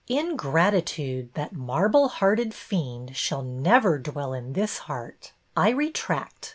'' Ingratitude, that marble hearted fiend, shall never dwell in this heart. I retract.